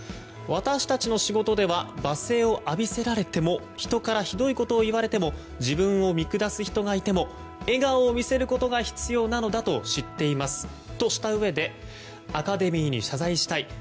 私たちの仕事では罵声を浴びせられても人からひどいことを言われても自分を見下す人がいても笑顔を見せることが必要なのだと知っていますとしたうえでアカデミーに謝罪したい。